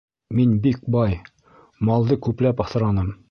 Мин бик бай, малды күпләп аҫраным.